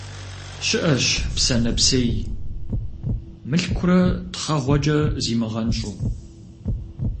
Щыӏэщ псэ нэпсей, мылъкурэ тхъэгъуэкӏэ зимыгъэнщӏу.